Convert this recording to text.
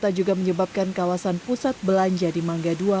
dan kota juga menyebabkan kawasan pusat belanja di mangga ii